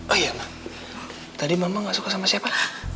oh iya tadi mama gak suka sama siapa